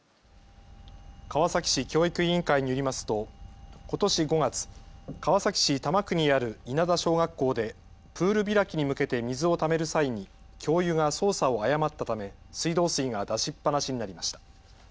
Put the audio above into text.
川崎市教育委員会によりますとことし５月、川崎市多摩区にある稲田小学校でプール開きに向けて水をためる際に教諭が操作を誤ったため水道水が出しっぱなしになりました。